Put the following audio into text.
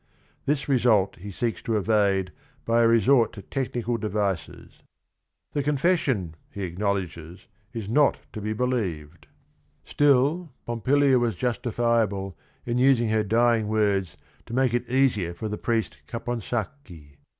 This result he seeks to evade by a resort to technical devices. The confession, he acknowledges, is not to be believed: still JURIS DOCTOR 149 Pompilia was justifiable in using her dying words to make it easier for the priest Caponsacchi.